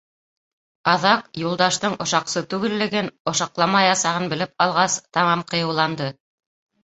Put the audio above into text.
Аҙаҡ, Юлдаштың ошаҡсы түгеллеген, ошаҡламаясағын белеп алғас, тамам ҡыйыуланды.